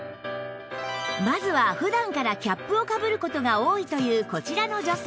まずは普段からキャップをかぶる事が多いというこちらの女性